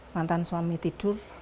mantan suami tidur